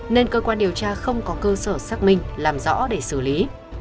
nên cơ quan điều tra không có cơ sở xác minh làm rõ để xử lý